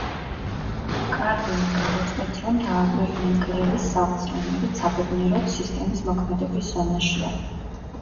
კარლინი გადაწყვეტს, რომ დააკვირდნენ კლერის სახლს, რომელიც, საბედნიეროდ, სისტემის მოქმედების ზონაშია.